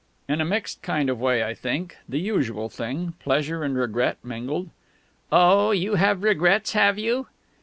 "In a mixed kind of way, I think; the usual thing: pleasure and regret mingled." "Oh, you have regrets, have you?"